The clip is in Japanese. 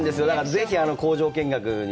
ぜひ工場見学に。